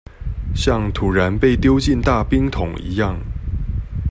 像突然被丟進大冰桶一樣